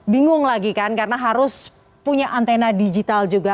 bingung lagi kan karena harus punya antena digital juga